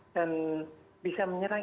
dan bisa menyerang